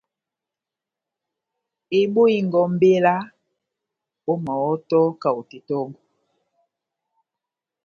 Ebɔhingé ó mbéla ómahɔ́to kahote tɔ́ngɔ